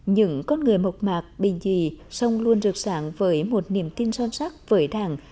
những con người mộc mạc bình dùi sống luôn rực sẵn với một niềm tin son sắc với đảng